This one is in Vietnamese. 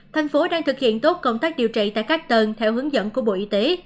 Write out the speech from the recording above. thành phố đang thực hiện tốt công tác điều trị tại các tầng theo hướng dẫn của bộ y tế